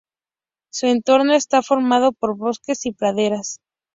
Su entorno está formado por bosques y praderas.